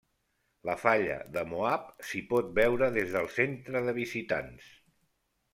La Falla de Moab s'hi pot veure des del centre de visitants.